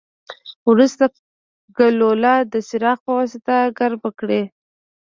وروسته ګلوله د څراغ پواسطه ګرمه کړئ.